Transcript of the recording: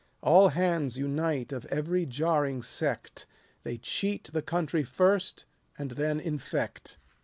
All hands unite, of every jarring sect ; They cheat the country first, and then infect.